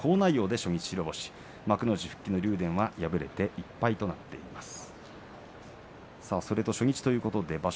好内容で初日白星幕内復帰の竜電は敗れて１敗となりました。